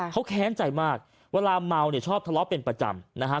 เขาแค้นใจมากเวลาเมาเนี่ยชอบทะเลาะเป็นประจำนะฮะ